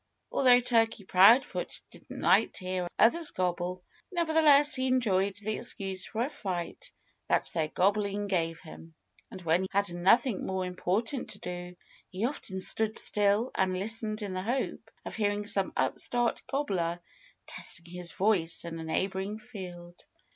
Although Turkey Proudfoot didn't like to hear others gobble, nevertheless he enjoyed the excuse for a fight that their gobbling gave him. And when he had nothing more important to do he often stood still and listened in the hope of hearing some upstart gobbler testing his voice in a neighboring field.